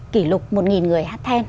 kỷ lục một nghìn người hát then